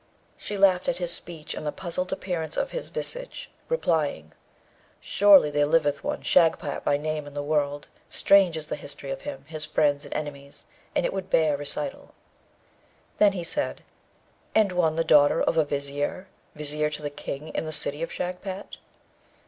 She laughed at his speech and the puzzled appearance of his visage, replying, 'Surely there liveth one, Shagpat by name in the world; strange is the history of him, his friends, and enemies; and it would bear recital.' Then he said, 'And one, the daughter of a Vizier, Vizier to the King in the City of Shagpat?'